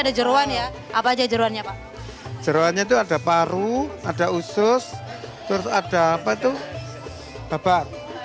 ada jeruan ya apa aja jeruannya pak jeroannya itu ada paru ada usus terus ada apa tuh babak